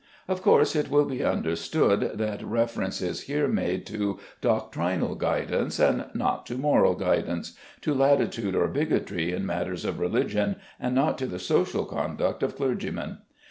Of course it will be understood that reference is here made to doctrinal guidance, and not to moral guidance to latitude or bigotry in matters of religion, and not to the social conduct of clergymen.